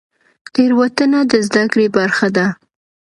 تیروتنه د زده کړې برخه ده